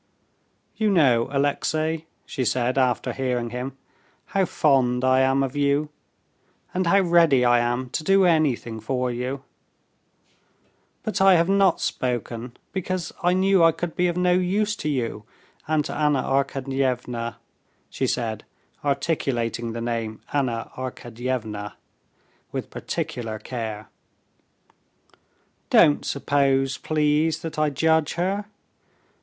"You know, Alexey," she said after hearing him, "how fond I am of you, and how ready I am to do anything for you; but I have not spoken, because I knew I could be of no use to you and to Anna Arkadyevna," she said, articulating the name "Anna Arkadyevna" with particular care. "Don't suppose, please, that I judge her.